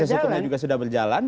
proses hukumnya juga sudah berjalan